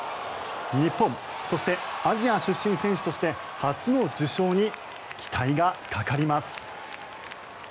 日本、そしてアジア出身選手として初の受賞に期待がかかります。